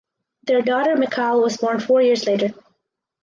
Their daughter Michal was born four years later.